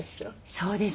そうですね。